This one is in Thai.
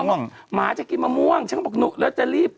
หมาจะกินมะม่วงฉันก็บอกหนุแล้วจะรีบ